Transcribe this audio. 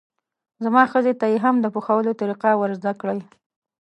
زما ښځې ته یې هم د پخولو طریقه ور زده کړئ.